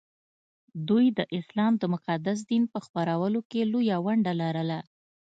دوی د اسلام د مقدس دین په خپرولو کې لویه ونډه لرله